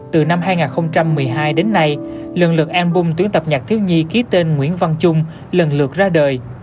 từ năm hai nghìn một mươi hai đến nay lần lượt album tuyến tập nhạc thiếu nhi ký tên nguyễn văn trung lần lượt ra đời